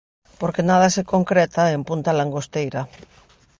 Porque nada se concreta en Punta Langosteira.